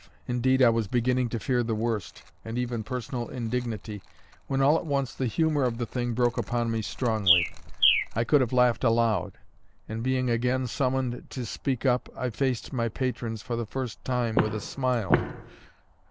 Indeed, I was beginning to fear the worst, and even personal indignity, when all at once the humour of the thing broke upon me strongly. I could have laughed aloud; and being again summoned to speak up, I faced my patrons for the first time with a smile.